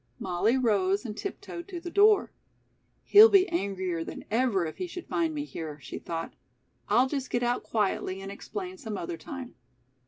Molly rose and tiptoed to the door. "He'll be angrier than ever if he should find me here," she thought. "I'll just get out quietly and explain some other time."